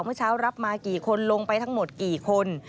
เมื่อเช้ารับมากี่คนลงไปทั้งหมดกี่คน